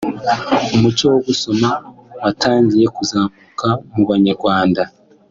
umuco wo gusoma watangiye kuzamuka mu Banyarwanda